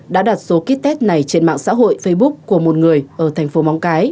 đã đặt số ký test này trên mạng xã hội facebook của một người ở tp mong cái